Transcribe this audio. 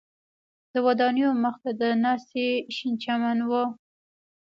د ودانیو مخ ته د ناستي شین چمن و.